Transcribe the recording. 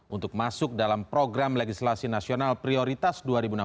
untuk masuk dalam program legislasi nasional prioritas dua ribu enam belas